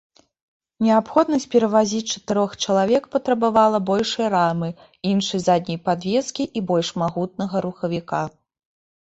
Неабходнасць перавазіць чатырох чалавек патрабавала большай рамы, іншай задняй падвескі і больш магутнага рухавіка.